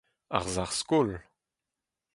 ar sac'h-skol